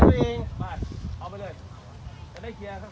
เดี๋ยวได้เคลียร์